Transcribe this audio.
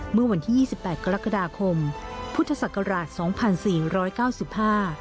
เมื่อวันที่๒๘กรกฎาคมพุทธศักราช๒๔๙๕